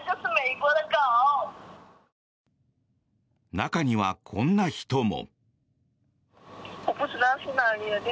中には、こんな人も。